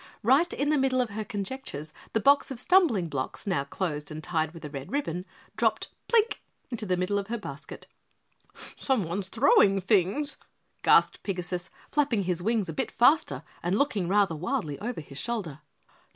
Right in the middle of her conjectures the box of stumbling blocks, now closed and tied with a red ribbon, dropped "plink" into the middle of her basket. "Someone's throwing things," gasped Pigasus, flapping his wings a bit faster and looking rather wildly over his shoulder.